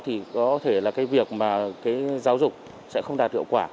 thì có thể là cái việc mà cái giáo dục sẽ không đạt hiệu quả